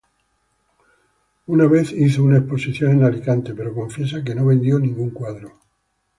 Una vez hizo una exposición en Alicante, pero confiesa que no vendió ningún cuadro.